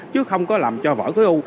chứ không có làm cho vỡ khối u